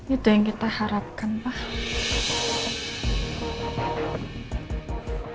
itu yang kita harapkan pak